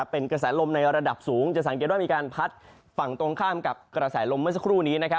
เป็นกระแสลมในระดับสูงจะสังเกตว่ามีการพัดฝั่งตรงข้ามกับกระแสลมเมื่อสักครู่นี้